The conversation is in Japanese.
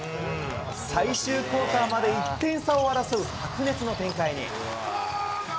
最終クオーターまで１点差を争う白熱の展開に。